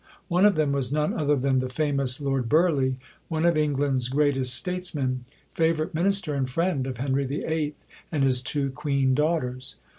One of them was none other than the famous Lord Burleigh, one of England's greatest statesmen, favourite Minister and friend of Henry VIII. and his two Queen daughters.